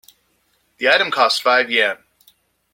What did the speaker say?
The item costs five Yen.